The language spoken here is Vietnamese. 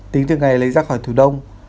tính từ ngày lấy ra khỏi tủ đông